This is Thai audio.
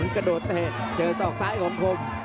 กระโดดเตะเจอศอกซ้ายของคม